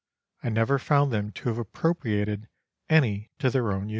I never found them to have appropriated any to their own use.